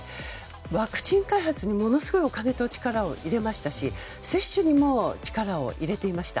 ワクチン開発にものすごいお金と力を入れましたし接種にも力を入れていました。